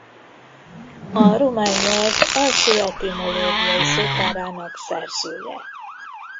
A román nyelv első etimológiai szótárának szerzője.